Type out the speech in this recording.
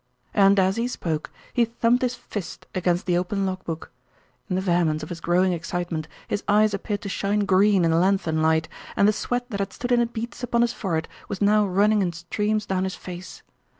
And as he spoke he thumped his fist against the open log book. In the vehemence of his growing excitement his eyes appeared to shine green in the lanthorn light, and the sweat that had stood in beads upon his forehead was now running in streams down his face.